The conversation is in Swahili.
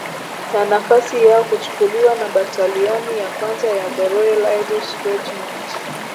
na nafasi yao kuchukuliwa na batalioni ya kwanza ya The Royal Irish Regiment